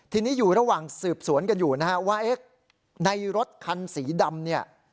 ทีนี้อยู่ระหว่างสืบสวนกันอยู่ว่าในรถคันสีดำ